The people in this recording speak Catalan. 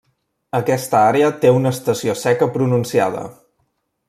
Aquesta àrea té una estació seca pronunciada.